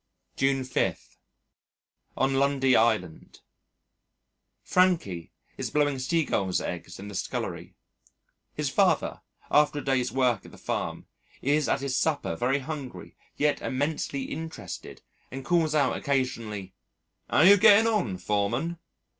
June 5. On Lundy Island Frankie is blowing Seagulls' eggs in the scullery. His father, after a day's work at the farm, is at his supper very hungry, yet immensely interested, and calls out occasionally, "'Ow you're getting on, Foreman?"